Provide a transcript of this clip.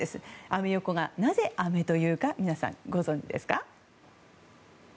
アメ横が、なぜ「アメ」というか皆さん、ご存じですか。